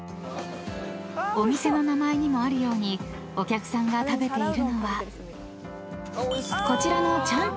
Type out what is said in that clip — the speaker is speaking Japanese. ［お店の名前にもあるようにお客さんが食べているのはこちらの］